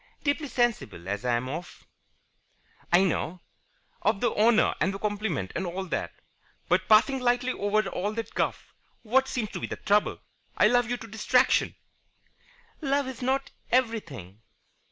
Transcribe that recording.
"Deeply sensible as I am of " "I know. Of the honour and the compliment and all that. But, passing lightly over all that guff, what seems to be the trouble? I love you to distraction " "Love is not everything."